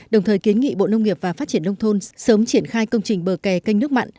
đồng thời kiến nghị bộ nông nghiệp và phát triển nông thôn sớm triển khai công trình bờ kè canh nước mặn